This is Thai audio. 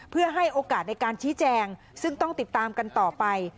เพื่อให้โอกาสในการชี้แจงซึ่งต้องติดตามกันต่อไป